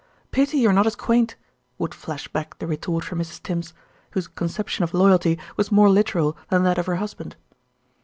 "Pity you're not as quaint," would flash back the retort from Mrs. Tims, whose conception of loyalty was more literal than that of her husband.